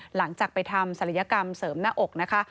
หลังจากไปทำศัลยกรรมเสริมหน้าอกนะคะ